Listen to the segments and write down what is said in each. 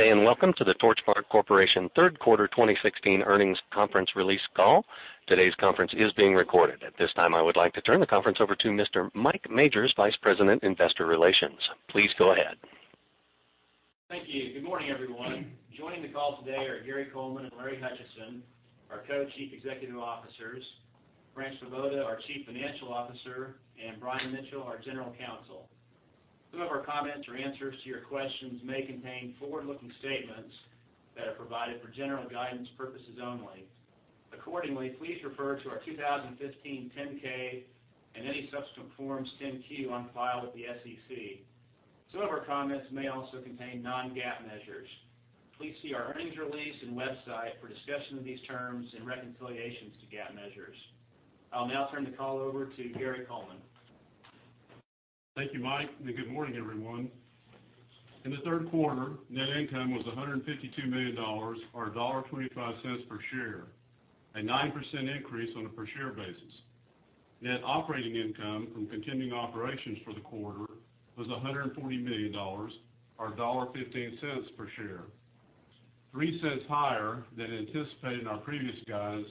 Good day, and welcome to the Torchmark Corporation third quarter 2016 earnings conference release call. Today's conference is being recorded. At this time, I would like to turn the conference over to Mr. Mike Majors, Vice President, Investor Relations. Please go ahead. Thank you. Good morning, everyone. Joining the call today are Gary Coleman and Larry Hutchison, our Co-Chief Executive Officers, Frank Svoboda, our Chief Financial Officer, and Brian Mitchell, our General Counsel. Some of our comments or answers to your questions may contain forward-looking statements that are provided for general guidance purposes only. Please refer to our 2015 10-K and any subsequent Forms 10-Q on file with the SEC. Some of our comments may also contain non-GAAP measures. Please see our earnings release and website for discussion of these terms and reconciliations to GAAP measures. I'll now turn the call over to Gary Coleman. Thank you, Mike, good morning, everyone. In the third quarter, net income was $152 million, or $1.25 per share, a 9% increase on a per share basis. Net operating income from continuing operations for the quarter was $140 million, or $1.15 per share, $0.03 higher than anticipated in our previous guidance,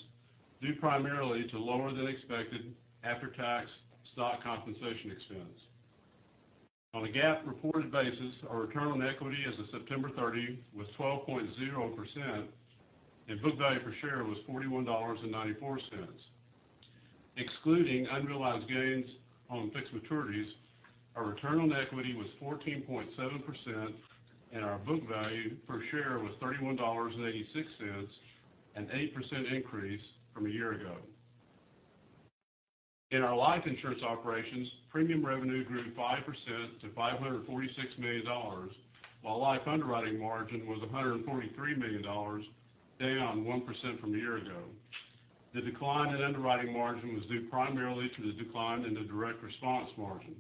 due primarily to lower than expected after-tax stock compensation expense. On a GAAP reported basis, our return on equity as of September 30 was 12.0%, and book value per share was $41.94. Excluding unrealized gains on fixed maturities, our return on equity was 14.7% and our book value per share was $31.86, an 8% increase from a year ago. In our life insurance operations, premium revenue grew 5% to $546 million, while life underwriting margin was $143 million, down 1% from a year ago. The decline in underwriting margin was due primarily to the decline in the direct response margin.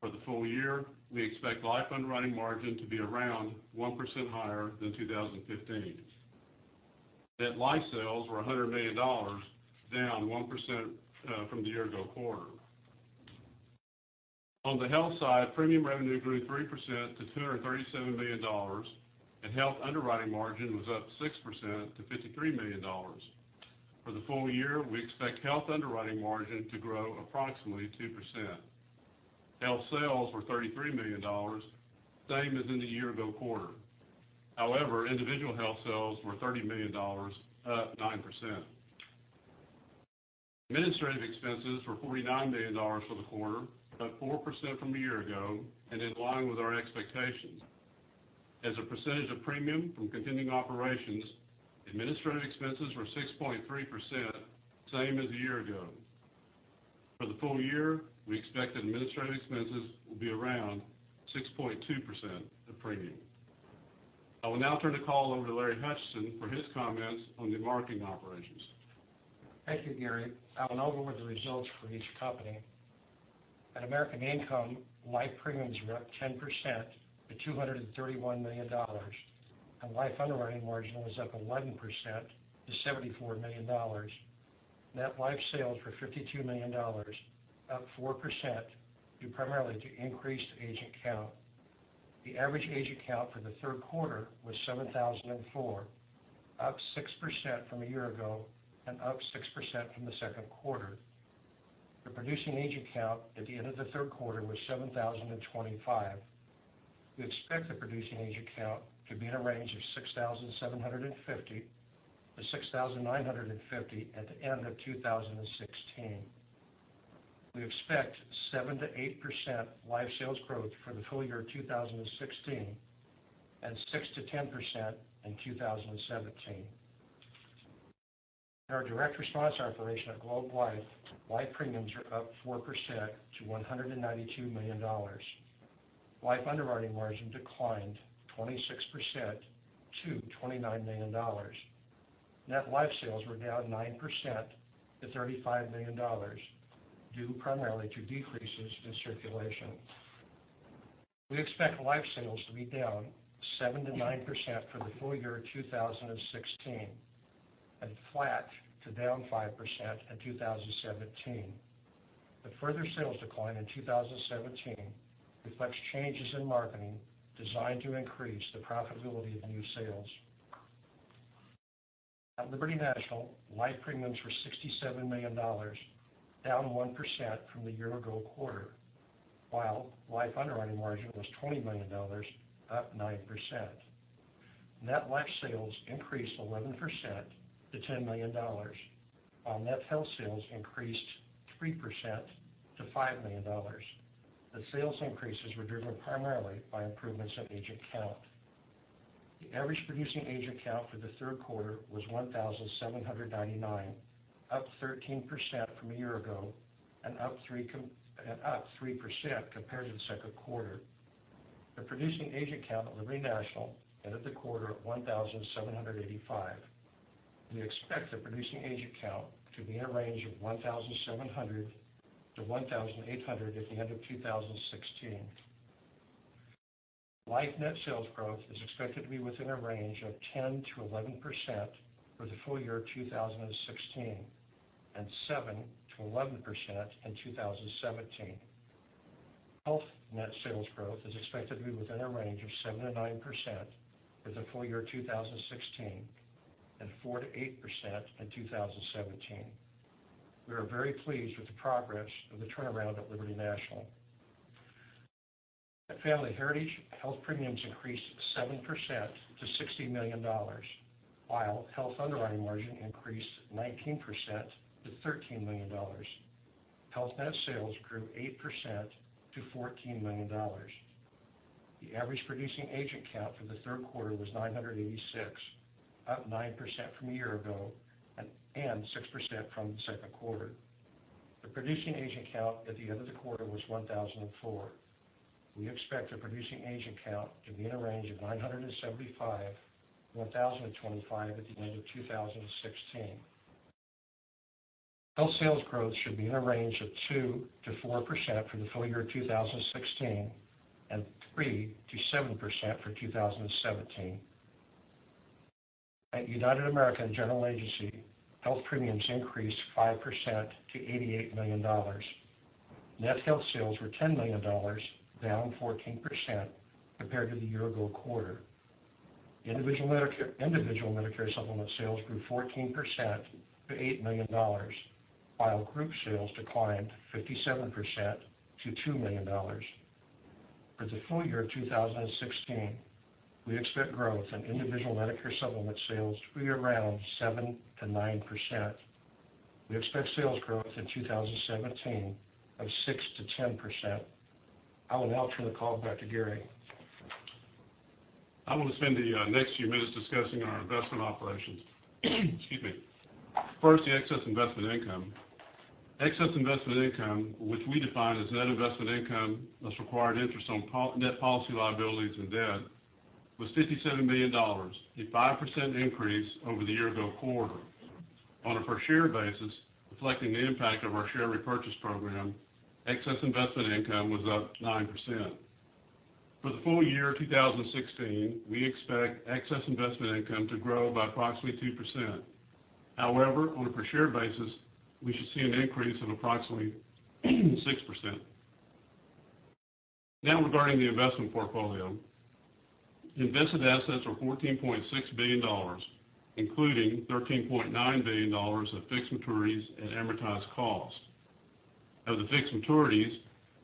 For the full year, we expect life underwriting margin to be around 1% higher than 2015. Net life sales were $100 million, down 1% from the year ago quarter. On the health side, premium revenue grew 3% to $237 million, and health underwriting margin was up 6% to $53 million. For the full year, we expect health underwriting margin to grow approximately 2%. Health sales were $33 million, same as in the year ago quarter. Individual health sales were $30 million, up 9%. Administrative expenses were $49 million for the quarter, up 4% from a year ago and in line with our expectations. As a percentage of premium from continuing operations, administrative expenses were 6.3%, same as a year ago. For the full year, we expect administrative expenses will be around 6.2% of premium. I will now turn the call over to Larry Hutchison for his comments on the marketing operations. Thank you, Gary. I'll now go over the results for each company. At American Income, life premiums were up 10% to $231 million, and life underwriting margin was up 11% to $74 million. Net life sales were $52 million, up 4% due primarily to increased agent count. The average agent count for the third quarter was 7,004, up 6% from a year ago and up 6% from the second quarter. The producing agent count at the end of the third quarter was 7,025. We expect the producing agent count to be in a range of 6,750 to 6,950 at the end of 2016. We expect 7%-8% life sales growth for the full year 2016, and 6%-10% in 2017. In our direct response operation at Globe Life, life premiums are up 4% to $192 million. Life underwriting margin declined 26% to $29 million. Net life sales were down 9% to $35 million, due primarily to decreases in circulation. We expect life sales to be down 7%-9% for the full year 2016, and flat to down 5% in 2017. The further sales decline in 2017 reflects changes in marketing designed to increase the profitability of new sales. At Liberty National, life premiums were $67 million, down 1% from the year ago quarter, while life underwriting margin was $20 million, up 9%. Net life sales increased 11% to $10 million, while net health sales increased 3% to $5 million. The sales increases were driven primarily by improvements in agent count. The average producing agent count for the third quarter was 1,799, up 13% from a year ago and up 3% compared to the second quarter. The producing agent count at Liberty National ended the quarter at 1,785. We expect the producing agent count to be in a range of 1,700-1,800 at the end of 2016. Life net sales growth is expected to be within a range of 10%-11% for the full year 2016, and 7%-11% in 2017. Health net sales growth is expected to be within a range of 7%-9% for the full year 2016, and 4%-8% in 2017. We are very pleased with the progress of the turnaround at Liberty National. At Family Heritage, health premiums increased 7% to $60 million, while health underwriting margin increased 19% to $13 million. Health net sales grew 8% to $14 million. The average producing agent count for the third quarter was 986, up 9% from a year ago, and 6% from the second quarter. The producing agent count at the end of the quarter was 1,004. We expect the producing agent count to be in a range of 975 and 1,025 at the end of 2016. Health sales growth should be in a range of 2%-4% for the full year 2016, and 3%-7% for 2017. At United American General Agency, health premiums increased 5% to $88 million. Net health sales were $10 million, down 14% compared to the year-ago quarter. Individual Medicare Supplement sales grew 14% to $8 million, while group sales declined 57% to $2 million. For the full year 2016, we expect growth in individual Medicare Supplement sales to be around 7%-9%. We expect sales growth in 2017 of 6%-10%. I will now turn the call back to Gary. I want to spend the next few minutes discussing our investment operations. Excuse me. First, the excess investment income. Excess investment income, which we define as net investment income, less required interest on net policy liabilities and debt, was $57 million, a 5% increase over the year-ago quarter. On a per-share basis, reflecting the impact of our share repurchase program, excess investment income was up 9%. For the full year 2016, we expect excess investment income to grow by approximately 2%. On a per-share basis, we should see an increase of approximately 6%. Regarding the investment portfolio. Invested assets were $14.6 billion, including $13.9 billion of fixed maturities at amortized cost. Of the fixed maturities,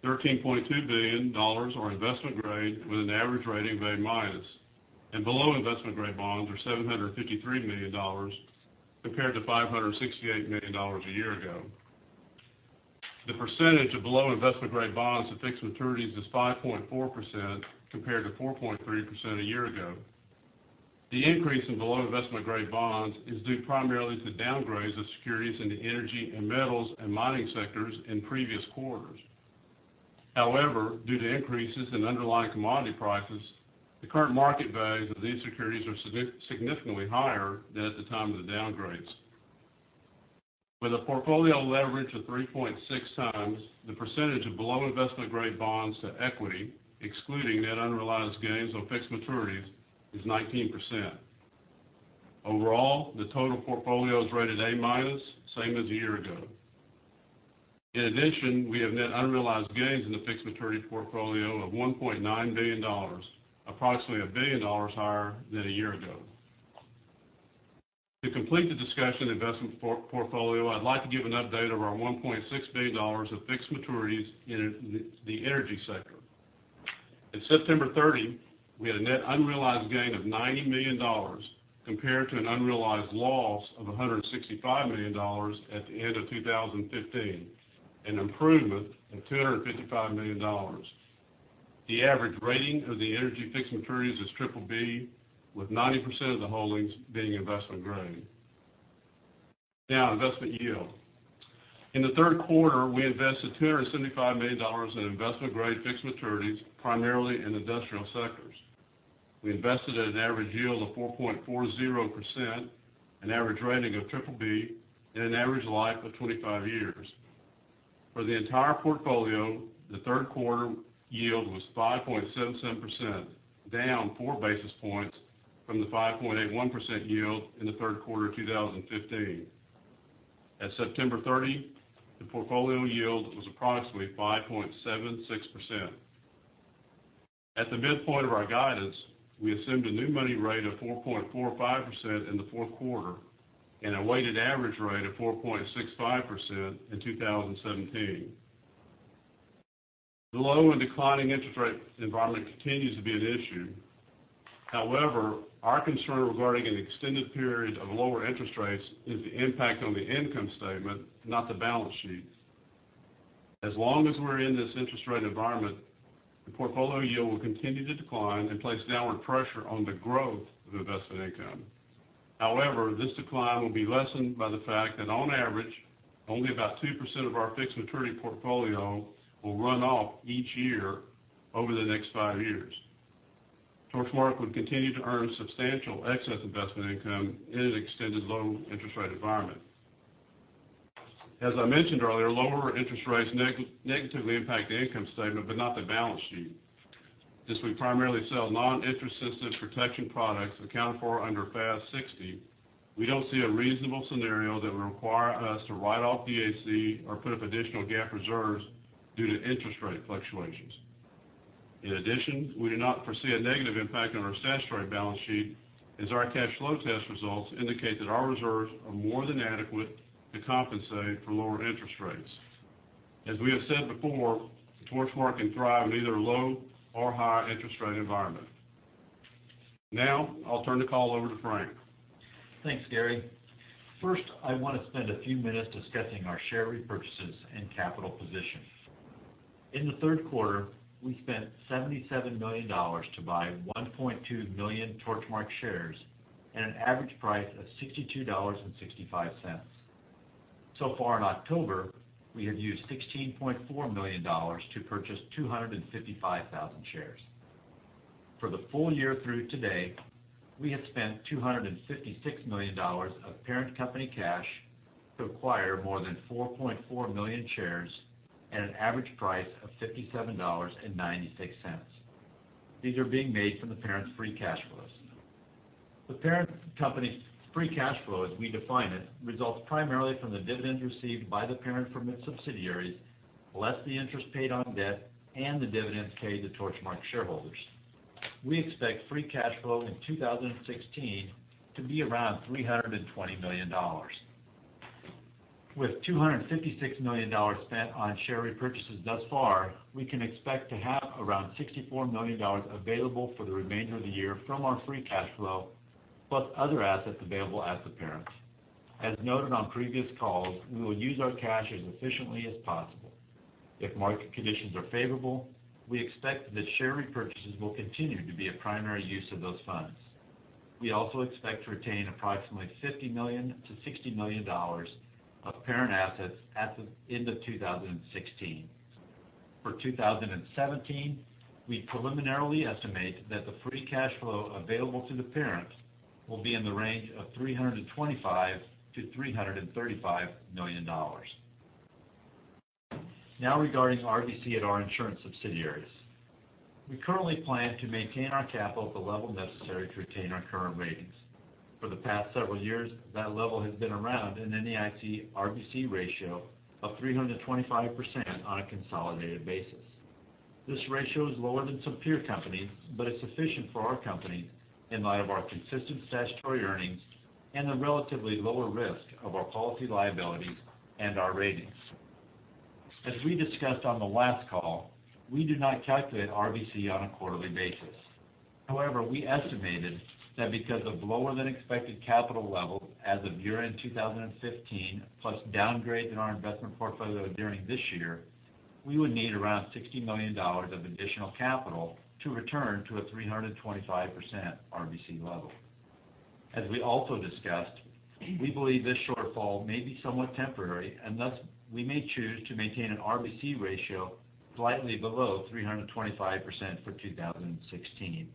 $13.2 billion are investment-grade with an average rating of A-, and below investment-grade bonds are $753 million compared to $568 million a year ago. The percentage of below investment-grade bonds to fixed maturities is 5.4% compared to 4.3% a year ago. Due to increases in underlying commodity prices, the current market values of these securities are significantly higher than at the time of the downgrades. With a portfolio leverage of 3.6 times, the percentage of below investment-grade bonds to equity, excluding net unrealized gains on fixed maturities, is 19%. Overall, the total portfolio is rated A-, same as a year ago. We have net unrealized gains in the fixed maturity portfolio of $1.9 billion, approximately $1 billion higher than a year ago. To complete the discussion of investment portfolio, I'd like to give an update of our $1.6 billion of fixed maturities in the energy sector. At September 30, we had a net unrealized gain of $90 million compared to an unrealized loss of $165 million at the end of 2015, an improvement of $255 million. The average rating of the energy fixed maturities is BBB, with 90% of the holdings being investment grade. Investment yield. In the third quarter, we invested $275 million in investment-grade fixed maturities, primarily in industrial sectors. We invested at an average yield of 4.40%, an average rating of BBB, and an average life of 25 years. For the entire portfolio, the third quarter yield was 5.77%, down four basis points from the 5.81% yield in the third quarter of 2015. At September 30, the portfolio yield was approximately 5.76%. At the midpoint of our guidance, we assumed a new money rate of 4.45% in the fourth quarter and a weighted average rate of 4.65% in 2017. The low and declining interest rate environment continues to be an issue. However, our concern regarding an extended period of lower interest rates is the impact on the income statement, not the balance sheet. As long as we're in this interest rate environment, the portfolio yield will continue to decline and place downward pressure on the growth of investment income. However, this decline will be lessened by the fact that on average, only about 2% of our fixed maturity portfolio will run off each year over the next five years. Torchmark would continue to earn substantial excess investment income in an extended low interest rate environment. As I mentioned earlier, lower interest rates negatively impact the income statement but not the balance sheet. As we primarily sell non-interest sensitive protection products accounted for under FAS 60, we don't see a reasonable scenario that would require us to write off the DAC or put up additional GAAP reserves due to interest rate fluctuations. In addition, we do not foresee a negative impact on our statutory balance sheet, as our cash flow test results indicate that our reserves are more than adequate to compensate for lower interest rates. As we have said before, Torchmark can thrive in either a low or high interest rate environment. Now, I'll turn the call over to Frank. Thanks, Gary. First, I want to spend a few minutes discussing our share repurchases and capital position. In the third quarter, we spent $77 million to buy 1.2 million Torchmark shares at an average price of $62.65. Far in October, we have used $16.4 million to purchase 255,000 shares. For the full year through today, we have spent $256 million of parent company cash to acquire more than 4.4 million shares at an average price of $57.96. These are being made from the parent's free cash flows. The parent company's free cash flow, as we define it, results primarily from the dividends received by the parent from its subsidiaries, less the interest paid on debt and the dividends paid to Torchmark shareholders. We expect free cash flow in 2016 to be around $320 million. With $256 million spent on share repurchases thus far, we can expect to have around $64 million available for the remainder of the year from our free cash flow, plus other assets available at the parent. As noted on previous calls, we will use our cash as efficiently as possible. If market conditions are favorable, we expect that share repurchases will continue to be a primary use of those funds. We also expect to retain approximately $50 million-$60 million of parent assets at the end of 2016. For 2017, we preliminarily estimate that the free cash flow available to the parent will be in the range of $325 million-$335 million. Now, regarding RBC at our insurance subsidiaries. We currently plan to maintain our capital at the level necessary to retain our current ratings. For the past several years, that level has been around an NAIC RBC ratio of 325% on a consolidated basis. This ratio is lower than some peer companies, but it's sufficient for our company in light of our consistent statutory earnings and the relatively lower risk of our policy liabilities and our ratings. As we discussed on the last call, we do not calculate RBC on a quarterly basis. However, we estimated that because of lower than expected capital levels as of year-end 2015, plus downgrades in our investment portfolio during this year, we would need around $60 million of additional capital to return to a 325% RBC level. As we also discussed, we believe this shortfall may be somewhat temporary and thus, we may choose to maintain an RBC ratio slightly below 325% for 2016.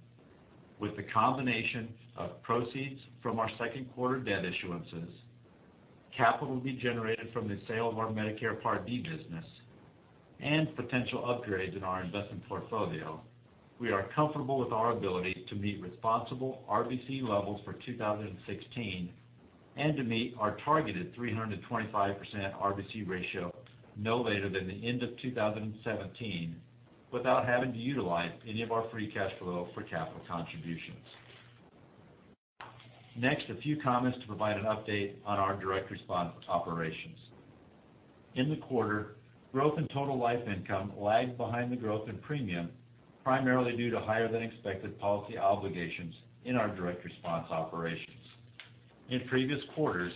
With the combination of proceeds from our second quarter debt issuances, capital will be generated from the sale of our Medicare Part D business, and potential upgrades in our investment portfolio, we are comfortable with our ability to meet responsible RBC levels for 2016 and to meet our targeted 325% RBC ratio no later than the end of 2017 without having to utilize any of our free cash flow for capital contributions. Next, a few comments to provide an update on our direct response operations. In the quarter, growth in total life income lagged behind the growth in premium, primarily due to higher than expected policy obligations in our direct response operations. In previous quarters,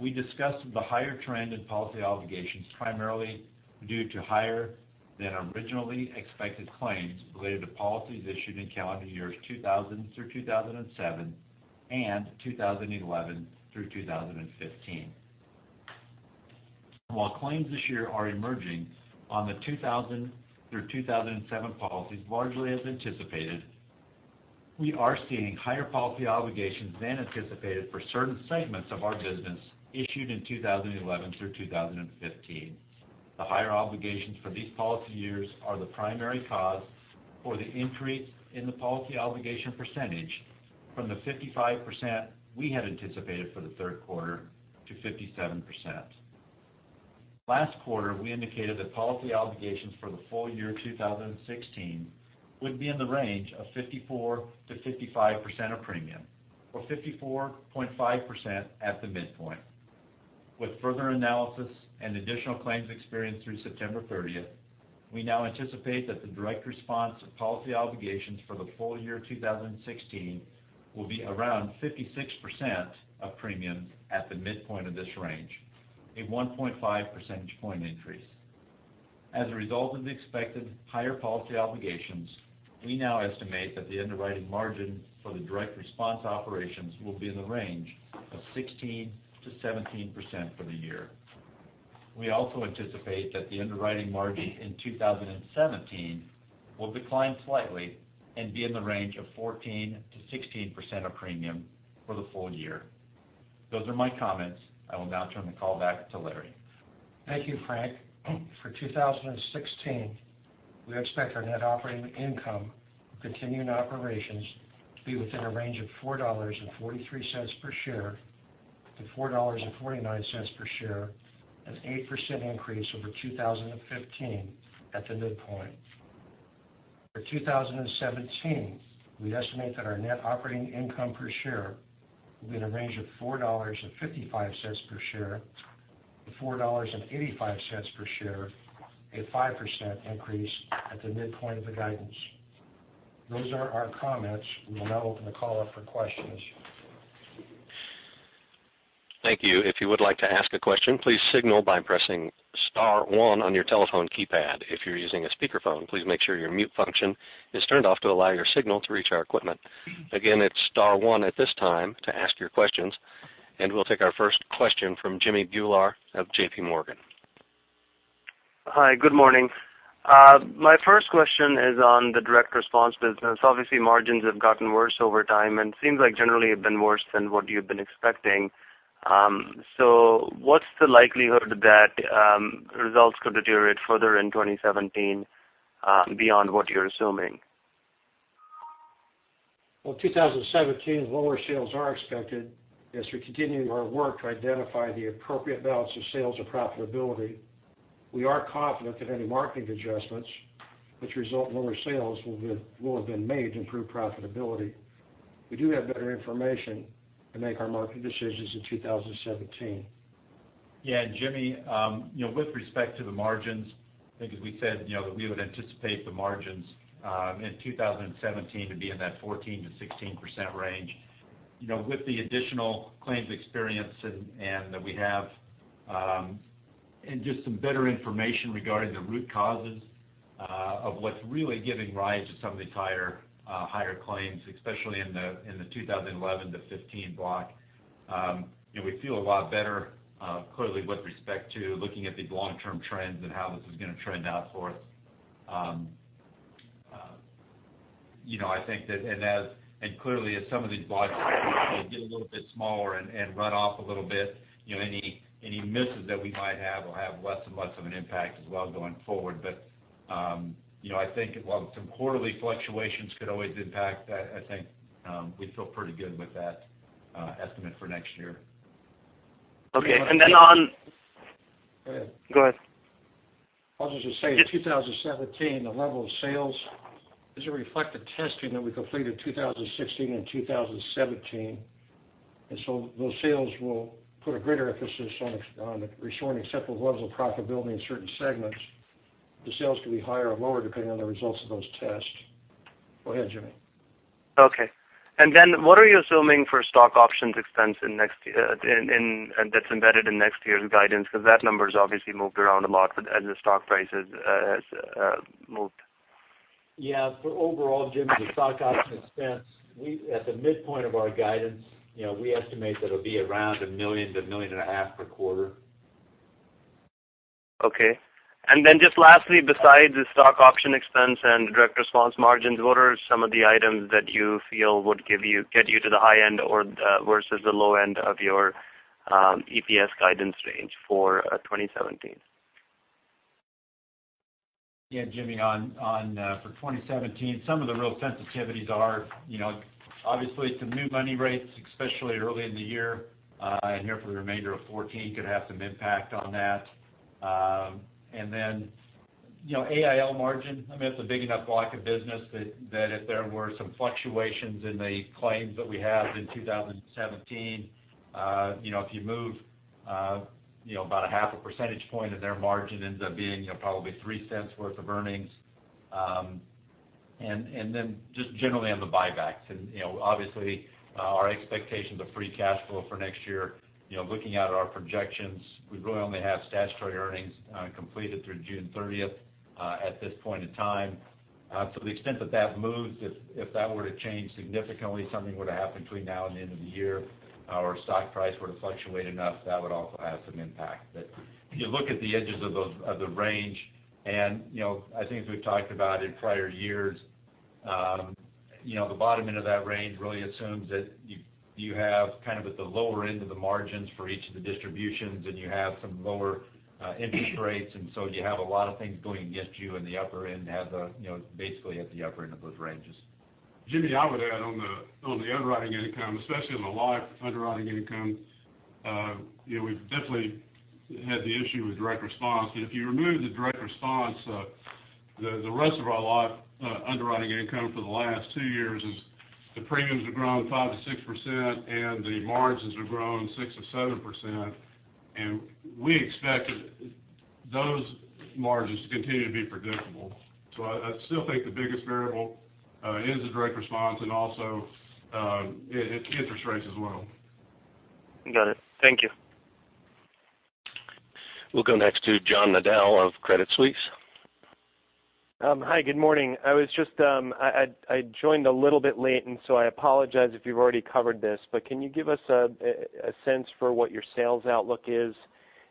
we discussed the higher trend in policy obligations primarily due to higher than originally expected claims related to policies issued in calendar years 2000 through 2007 and 2011 through 2015. While claims this year are emerging on the 2000 through 2007 policies largely as anticipated, we are seeing higher policy obligations than anticipated for certain segments of our business issued in 2011 through 2015. The higher obligations for these policy years are the primary cause for the increase in the policy obligation percentage from the 55% we had anticipated for the third quarter to 57%. Last quarter, we indicated that policy obligations for the full year 2016 would be in the range of 54%-55% of premium, or 54.5% at the midpoint. With further analysis and additional claims experience through September 30th, we now anticipate that the direct response of policy obligations for the full year 2016 will be around 56% of premium at the midpoint of this range, a 1.5 percentage point increase. As a result of the expected higher policy obligations, we now estimate that the underwriting margin for the direct response operations will be in the range of 16%-17% for the year. We also anticipate that the underwriting margin in 2017 will decline slightly and be in the range of 14%-16% of premium for the full year. Those are my comments. I will now turn the call back to Larry. Thank you, Frank. For 2016, we expect our net operating income for continuing operations to be within a range of $4.43-$4.49 per share, an 8% increase over 2015 at the midpoint. For 2017, we estimate that our net operating income per share will be in a range of $4.55-$4.85 per share, a 5% increase at the midpoint of the guidance. Those are our comments. We will now open the call up for questions. Thank you. If you would like to ask a question, please signal by pressing *1 on your telephone keypad. If you're using a speakerphone, please make sure your mute function is turned off to allow your signal to reach our equipment. Again, it's *1 at this time to ask your questions. We'll take our first question from Jimmy Bhullar of JPMorgan. Hi. Good morning. My first question is on the direct response business. Obviously, margins have gotten worse over time and seems like generally have been worse than what you've been expecting. What's the likelihood that results could deteriorate further in 2017 beyond what you're assuming? Well, 2017, lower sales are expected as we continue our work to identify the appropriate balance of sales and profitability. We are confident that any marketing adjustments which result in lower sales will have been made to improve profitability. We do have better information to make our marketing decisions in 2017. Yeah, Jimmy, with respect to the margins, I think as we said, that we would anticipate the margins in 2017 to be in that 14%-16% range. With the additional claims experience that we have, and just some better information regarding the root causes of what's really giving rise to some of these higher claims, especially in the 2011 to '15 block, we feel a lot better, clearly with respect to looking at these long-term trends and how this is going to trend out for us. I think that, and clearly as some of these blocks get a little bit smaller and run off a little bit, any misses that we might have will have less and less of an impact as well going forward. I think while some quarterly fluctuations could always impact that, I think we feel pretty good with that estimate for next year. Okay. Go ahead. Go ahead. I'll just say 2017, the level of sales is a reflective testing that we completed 2016 and 2017. Those sales will put a greater emphasis on restoring acceptable levels of profitability in certain segments. The sales could be higher or lower depending on the results of those tests. Go ahead, Jimmy. Okay. What are you assuming for stock options expense that's embedded in next year's guidance? Because that number's obviously moved around a lot as the stock price has moved. Yeah. For overall, Jimmy, the stock option expense, at the midpoint of our guidance, we estimate that it'll be around $1 million-$1.5 million per quarter. Okay. Just lastly, besides the stock option expense and direct response margins, what are some of the items that you feel would get you to the high end or versus the low end of your EPS guidance range for 2017? Jimmy, for 2017, some of the real sensitivities are obviously some new money rates, especially early in the year, and here for the remainder of 2014 could have some impact on that. AIL margin, I mean, it's a big enough block of business that if there were some fluctuations in the claims that we have in 2017, if you move about a half a percentage point of their margin ends up being probably $0.03 worth of earnings. Just generally on the buybacks and obviously our expectations of free cash flow for next year, looking out at our projections, we really only have statutory earnings completed through June 30th at this point in time. To the extent that that moves, if that were to change significantly, something were to happen between now and the end of the year, our stock price were to fluctuate enough, that would also have some impact. If you look at the edges of the range, and I think as we've talked about in prior years, the bottom end of that range really assumes that you have kind of at the lower end of the margins for each of the distributions, and you have some lower interest rates, you have a lot of things going against you, and the upper end has basically at the upper end of those ranges. Jimmy, I would add on the underwriting income, especially on the life underwriting income, we've definitely had the issue with direct response. If you remove the direct response, the rest of our life underwriting income for the last two years is the premiums have grown 5%-6%, and the margins have grown 6%-7%, and we expect those margins to continue to be predictable. I still think the biggest variable is the direct response and also interest rates as well. Got it. Thank you. We'll go next to John Nadel of Credit Suisse. Hi, good morning. I joined a little bit late, so I apologize if you've already covered this, but can you give us a sense for what your sales outlook is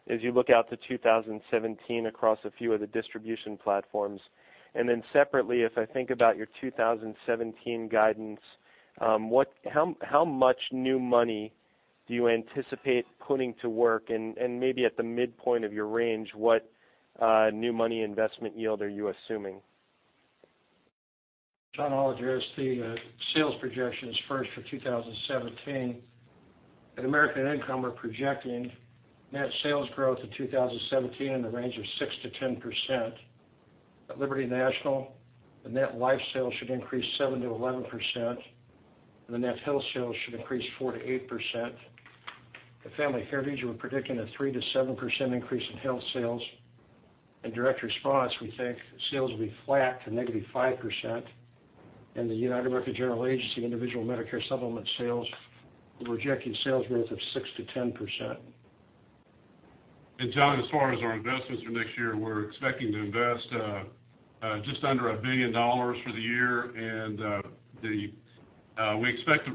As you look out to 2017 across a few of the distribution platforms. Separately, if I think about your 2017 guidance, how much new money do you anticipate putting to work? Maybe at the midpoint of your range, what new money investment yield are you assuming? John, I'll address the sales projections first for 2017. At American Income, we're projecting net sales growth in 2017 in the range of 6%-10%. At Liberty National, the net life sales should increase 7%-11%, and the net health sales should increase 4%-8%. At Family Heritage, we're predicting a 3%-7% increase in health sales. In direct response, we think sales will be flat to -5%. In the United American General Agency, individual Medicare Supplement sales, we're projecting sales growth of 6%-10%. John, as far as our investments for next year, we're expecting to invest just under $1 billion for the year, and we expect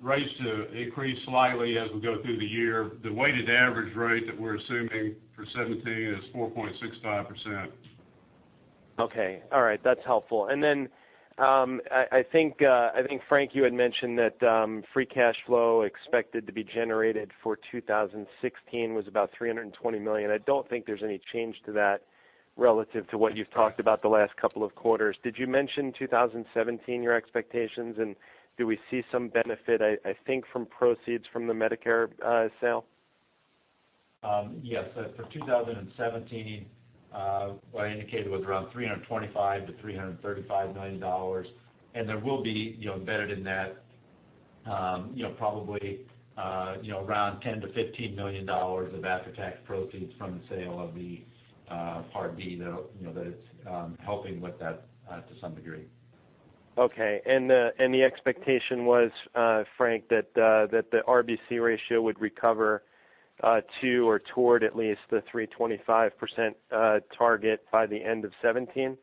rates to increase slightly as we go through the year. The weighted average rate that we're assuming for 2017 is 4.65%. Okay. All right. That's helpful. Then, I think, Frank, you had mentioned that free cash flow expected to be generated for 2016 was about $320 million. I don't think there's any change to that relative to what you've talked about the last couple of quarters. Did you mention 2017, your expectations, and do we see some benefit, I think, from proceeds from the Medicare sale? Yes. For 2017, what I indicated was around $325 million-$335 million. There will be embedded in that probably around $10 million-$15 million of after-tax proceeds from the sale of the Part D that it's helping with that to some degree. Okay. The expectation was, Frank, that the RBC ratio would recover to or toward at least the 325% target by the end of 2017?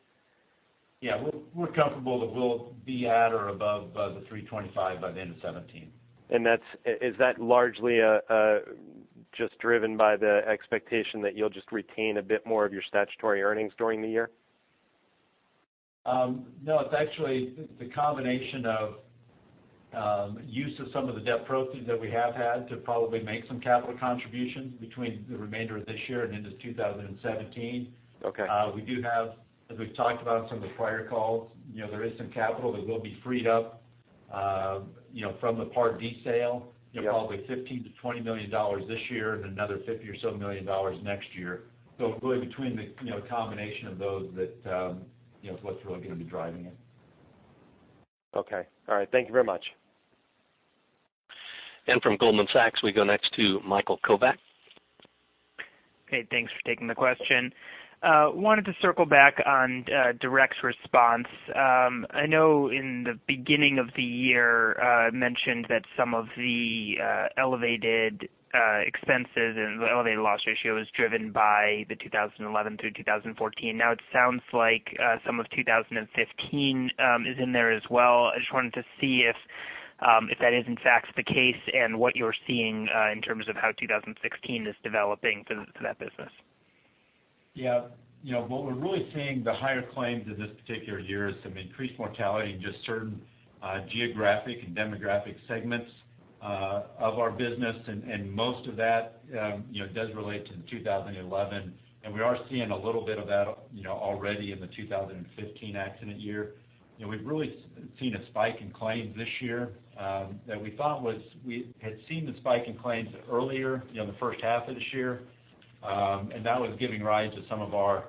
Yeah. We're comfortable that we'll be at or above the 325 by the end of 2017. Is that largely just driven by the expectation that you'll just retain a bit more of your statutory earnings during the year? No. It's actually the combination of use of some of the debt proceeds that we have had to probably make some capital contributions between the remainder of this year and into 2017. Okay. We do have, as we've talked about on some of the prior calls, there is some capital that will be freed up from the Part D sale. Yeah. Probably $15 million-$20 million this year and another $50 million next year. Really between the combination of those that's what's really going to be driving it. Okay. All right. Thank you very much. From Goldman Sachs, we go next to Michael Kovac. Thanks for taking the question. Wanted to circle back on direct response. I know in the beginning of the year, mentioned that some of the elevated expenses and the elevated loss ratio was driven by the 2011-2014. Now it sounds like some of 2015 is in there as well. I just wanted to see if that is in fact the case and what you're seeing in terms of how 2016 is developing for that business. Yeah. What we're really seeing the higher claims in this particular year is some increased mortality in just certain geographic and demographic segments of our business. Most of that does relate to the 2011, and we are seeing a little bit of that already in the 2015 accident year. We've really seen a spike in claims this year that we had seen the spike in claims earlier in the first half of this year, and that was giving rise to some of our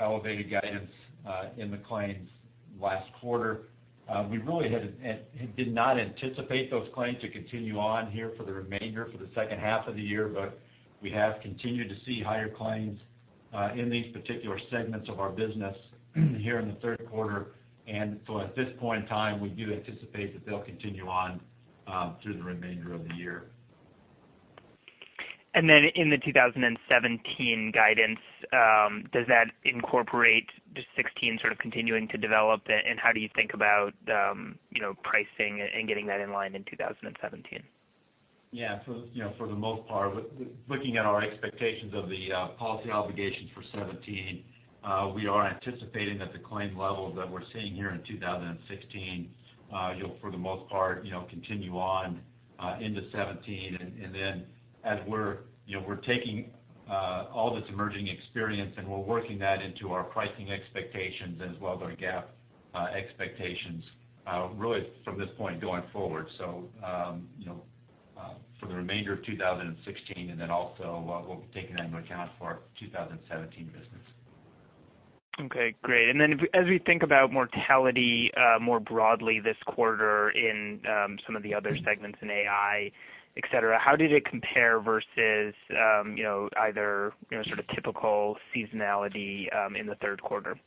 elevated guidance in the claims last quarter. We really did not anticipate those claims to continue on here for the remainder for the second half of the year. We have continued to see higher claims in these particular segments of our business here in the third quarter. At this point in time, we do anticipate that they'll continue on through the remainder of the year. In the 2017 guidance, does that incorporate just 2016 sort of continuing to develop? How do you think about pricing and getting that in line in 2017? Yeah. For the most part, looking at our expectations of the policy obligations for 2017, we are anticipating that the claim levels that we're seeing here in 2016, for the most part, continue on into 2017. As we're taking all this emerging experience and we're working that into our pricing expectations as well as our GAAP expectations really from this point going forward. For the remainder of 2016, and then also we'll be taking that into account for our 2017 business. Okay, great. As we think about mortality more broadly this quarter in some of the other segments in AI, et cetera, how did it compare versus either sort of typical seasonality in the third quarter?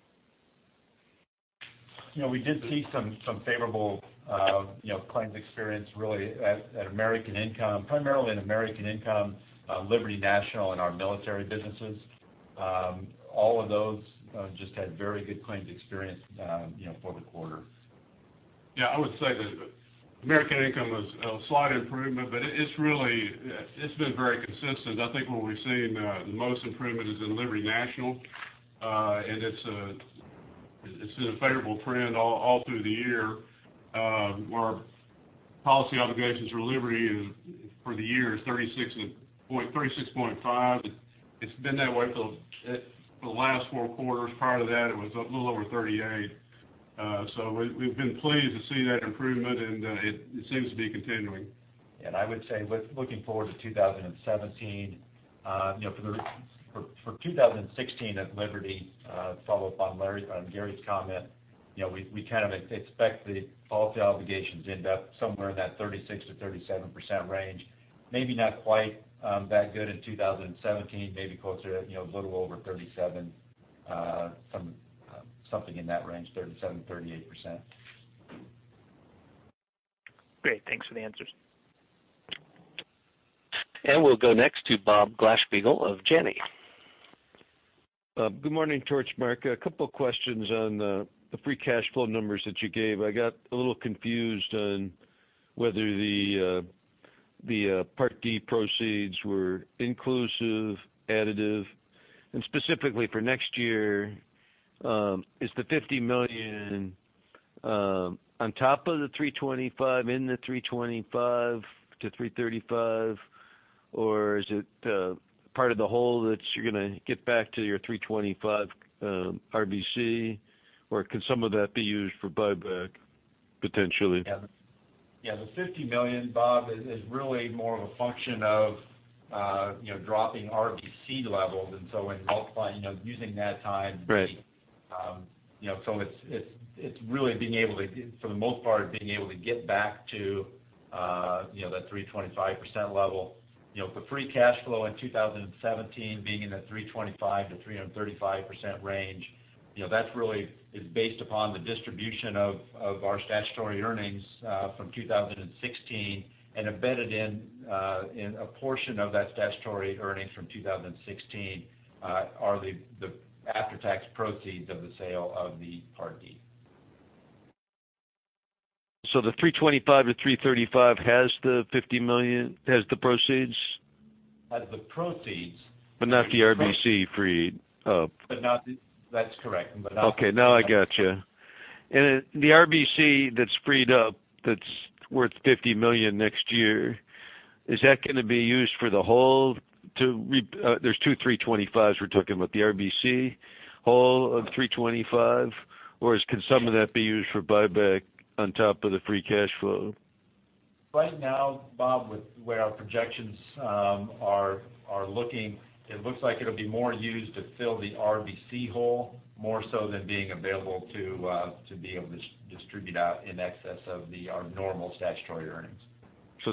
We did see some favorable claims experience really at American Income, primarily in American Income, Liberty National, and our military businesses. All of those just had very good claims experience for the quarter. Yeah, I would say that American Income is a slight improvement, but it's been very consistent. I think where we've seen the most improvement is in Liberty National, and it's been a favorable trend all through the year. Our policy obligations for Liberty for the year is 36.5%. It's been that way for the last four quarters. Prior to that, it was a little over 38%. We've been pleased to see that improvement, and it seems to be continuing. I would say with looking forward to 2017, for 2016 at Liberty, to follow up on Gary's comment, we kind of expect the policy obligations to end up somewhere in that 36%-37% range. Maybe not quite that good in 2017, maybe closer to a little over 37%, something in that range, 37%-38%. Great. Thanks for the answers. We'll go next to Bob Glasspiegel of Janney. Good morning to you, Mike. A couple of questions on the free cash flow numbers that you gave. I got a little confused on whether the Part D proceeds were inclusive, additive, and specifically for next year, is the $50 million on top of the 325, in the 325 to 335, or is it part of the whole that you're going to get back to your 325 RBC, or can some of that be used for buyback potentially? Yeah. The $50 million, Bob, is really more of a function of dropping RBC levels, when multiplying. Right It's really, for the most part, being able to get back to that 325% level. The free cash flow in 2017 being in the 325%-335% range, that really is based upon the distribution of our statutory earnings from 2016 and embedded in a portion of that statutory earnings from 2016 are the after-tax proceeds of the sale of the Part D. The 325 to 335 has the $50 million, has the proceeds? Has the proceeds. Not the RBC freed up. That's correct. Okay. Now I got you. The RBC that's freed up, that's worth $50 million next year, is that going to be used for the whole? There's 2 325s we're talking about. The RBC hole of 325, or can some of that be used for buyback on top of the free cash flow? Right now, Bob, with where our projections are looking, it looks like it'll be more used to fill the RBC hole, more so than being available to be able to distribute out in excess of our normal statutory earnings.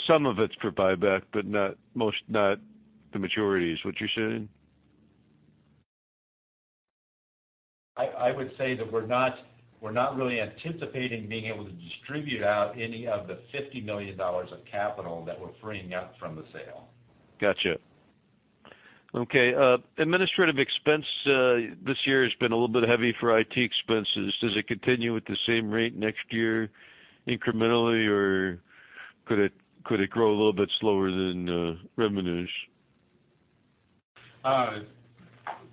Some of it's for buyback, but not the maturities. Is what you're saying? I would say that we're not really anticipating being able to distribute out any of the $50 million of capital that we're freeing up from the sale. Got you. Okay. Administrative expense this year has been a little bit heavy for IT expenses. Does it continue at the same rate next year incrementally, or could it grow a little bit slower than revenues?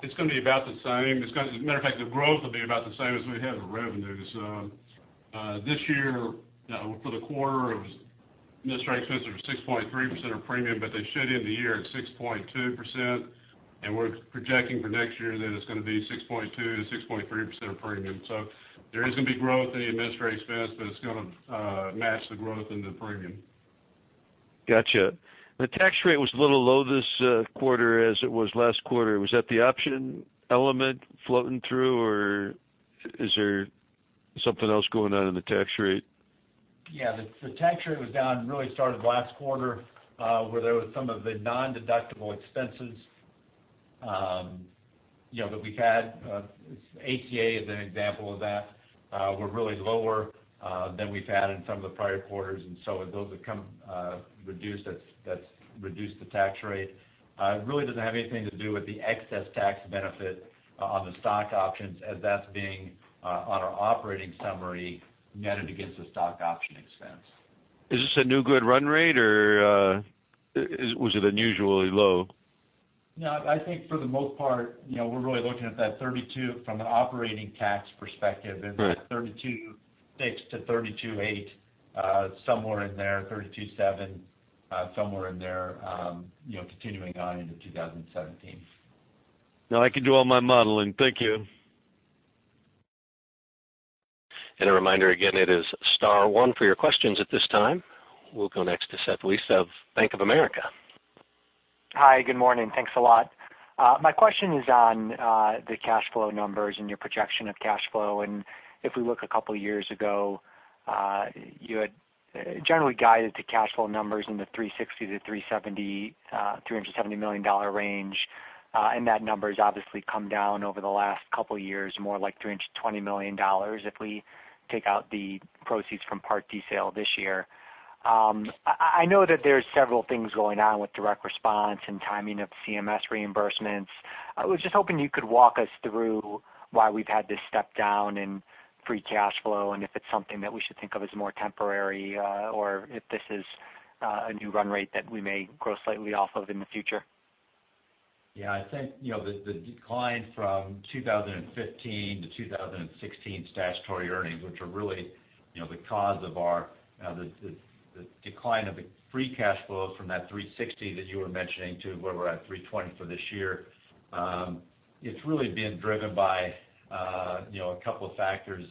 It's going to be about the same. As a matter of fact, the growth will be about the same as we had the revenues. This year, for the quarter, it was administrative expenses were 6.3% of premium, but they should end the year at 6.2%, and we're projecting for next year that it's going to be 6.2%-6.3% of premium. There is going to be growth in the administrative expense, but it's going to match the growth in the premium. Got you. The tax rate was a little low this quarter as it was last quarter. Was that the option element floating through, or is there something else going on in the tax rate? Yeah. The tax rate was down, really started last quarter, where there was some of the non-deductible expenses that we've had. ACA is an example of that. We're really lower than we've had in some of the prior quarters. Those have reduced the tax rate. It really doesn't have anything to do with the excess tax benefit on the stock options as that's being on our operating summary netted against the stock option expense. Is this a new good run rate, or was it unusually low? No, I think for the most part, we're really looking at that 32% from an operating tax perspective. Right. In that 32.6%-32.8%, somewhere in there, 32.7%, somewhere in there, continuing on into 2017. No, I can do all my modeling. Thank you. A reminder again, it is star one for your questions at this time. We'll go next to Seth Lewis of Bank of America. Hi, good morning. Thanks a lot. My question is on the cash flow numbers and your projection of cash flow. If we look a couple of years ago, you had generally guided the cash flow numbers in the $360 million-$370 million range. That number has obviously come down over the last couple of years, more like $320 million if we take out the proceeds from Part D sale this year. I know that there's several things going on with direct response and timing of CMS reimbursements. I was just hoping you could walk us through why we've had this step down in free cash flow, and if it's something that we should think of as more temporary, or if this is a new run rate that we may grow slightly off of in the future. I think, the decline from 2015 to 2016 statutory earnings, which are really the cause of the decline of the free cash flow from that $360 that you were mentioning to where we're at $320 for this year. It's really being driven by a couple of factors.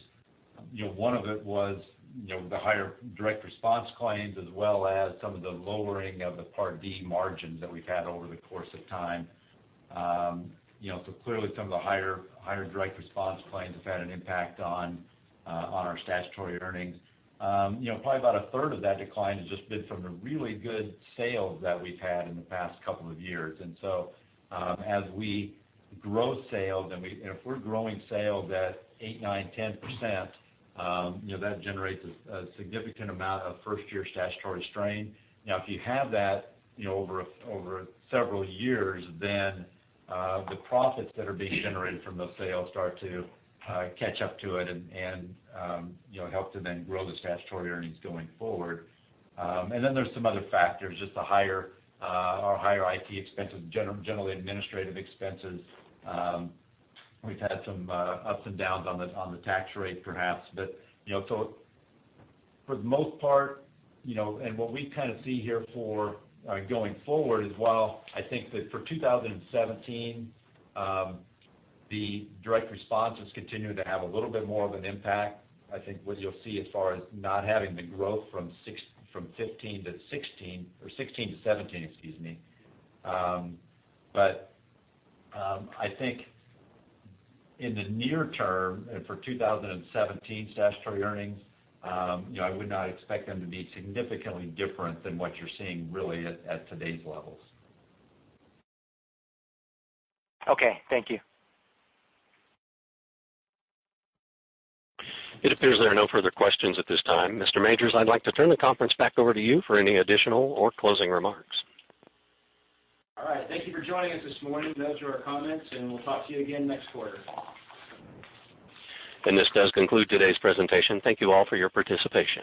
One of it was, the higher direct response claims, as well as some of the lowering of the Part D margins that we've had over the course of time. Clearly, some of the higher direct response claims have had an impact on our statutory earnings. Probably about a third of that decline has just been from the really good sales that we've had in the past couple of years. As we grow sales and if we're growing sales at 8%, 9%, 10%, that generates a significant amount of first-year statutory strain. If you have that over several years, the profits that are being generated from those sales start to catch up to it and help to grow the statutory earnings going forward. There's some other factors, just the higher IT expenses, generally administrative expenses. We've had some ups and downs on the tax rate, perhaps. For the most part, and what we see here for going forward as well, I think that for 2017, the direct response has continued to have a little bit more of an impact. I think what you'll see as far as not having the growth from 2015 to 2016 or 2016 to 2017, excuse me. I think in the near term, and for 2017 statutory earnings, I would not expect them to be significantly different than what you're seeing really at today's levels. Okay. Thank you. It appears there are no further questions at this time. Mr. Majors, I'd like to turn the conference back over to you for any additional or closing remarks. All right. Thank you for joining us this morning. Those are our comments, and we'll talk to you again next quarter. This does conclude today's presentation. Thank you all for your participation.